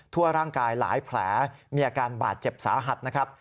ทั่วร่างกายหลายแผลมีอาการบาดเจ็บสาหัสนะครับ